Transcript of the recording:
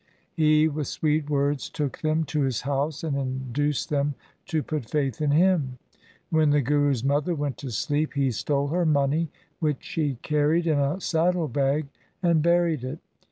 He with sweet words took them to his house and induced them to put faith in him. When the Guru's mother went to sleep, he stole her money, which she carried in a saddle bag and buried it.